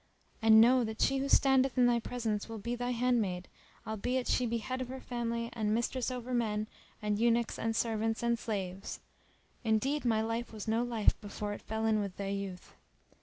And know that she who standeth in thy presence will be thy handmaid, albeit she be head of her family and mistress over men and eunuchs and servants and slaves Indeed my life was no life before it fell in with thy youth.